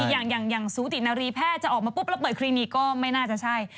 อย่างสูตินารีแพทย์จะออกมาปุ๊บแล้วเปิดคลินิกก็ไม่น่าจะใช่